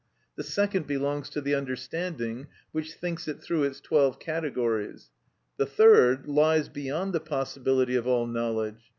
The second belongs to the understanding, which thinks it through its twelve categories. The third lies beyond the possibility of all knowledge.